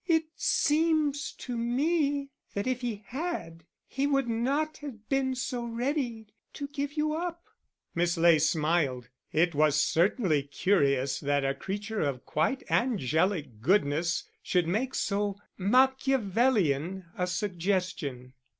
"It seems to me that if he had, he would not have been so ready to give you up." Miss Ley smiled; it was certainly curious that a creature of quite angelic goodness should make so Machiavellian a suggestion.